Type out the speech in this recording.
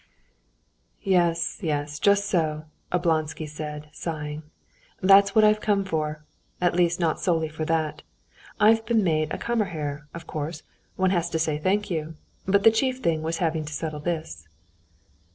"Yes, yes ... just so...." Oblonsky said, sighing. "That's what I've come for. At least not solely for that ... I've been made a Kammerherr; of course, one has to say thank you. But the chief thing was having to settle this."